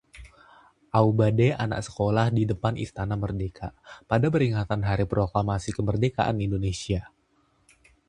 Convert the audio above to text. aubade anak sekolah di depan Istana Merdeka pada peringatan Hari Proklamasi Kemerdekaan Indonesia